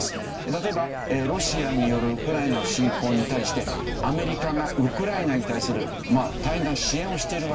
例えばロシアによるウクライナの侵攻に対してアメリカがウクライナに対する大変な支援をしているわけでしょ。